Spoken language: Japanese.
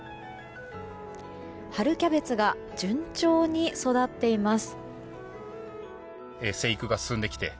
春キャベツが順調に育っています。